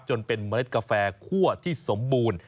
จนเป็นเมล็ดกาแฟคั่วที่สมบูรณ์